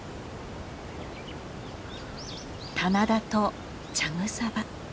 棚田と茶草場